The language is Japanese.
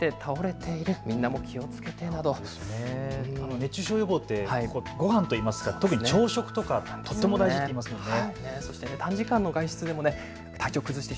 熱中症予防ってごはんといいますか朝食、とても大事って言いますもんね。